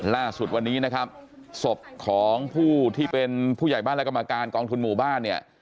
ล่าสุดวันนี้นะครับศพของผู้ที่เป็นผู้ใหญ่บ้านและกรรมการกองทุนหมู่บ้านเนี่ย